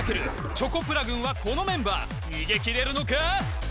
チョコプラ軍はこのメンバー逃げ切れるのか？